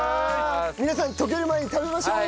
皆さん溶ける前に食べましょう！